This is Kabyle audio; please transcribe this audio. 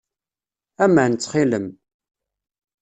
Aman, ttxil-m.